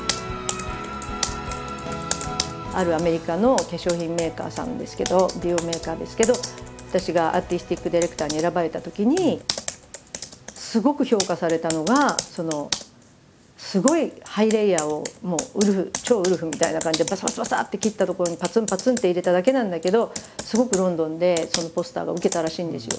あるアメリカの化粧品メーカーさんですけど美容メーカーですけど私がアーティスティックディレクターに選ばれたときにすごく評価されたのがすごいハイレイヤーをもう超ウルフみたいな感じでバサバサバサって切ったところにパツンパツンって入れただけなんだけどすごくロンドンでそのポスターが受けたらしいんですよ。